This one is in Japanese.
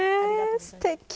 すてき。